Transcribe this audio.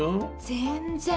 全然。